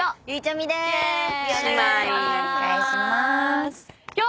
お願いしまーす。